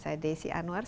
saya desi anwar